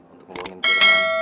untuk ngebunuhin firman